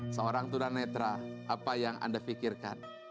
seorang tunan netra apa yang anda fikirkan